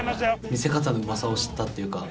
見せ方のうまさを知ったっていうか。